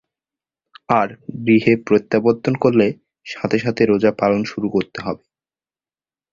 আর গৃহে প্রত্যাবর্তন করলে সাথে সাথে রোজা পালন শুরু করতে হবে।